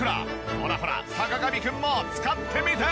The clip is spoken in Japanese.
ほらほら坂上くんも使ってみて！